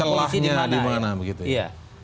celahnya dimana begitu ya